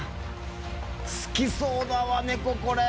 好きそうだわ猫これ。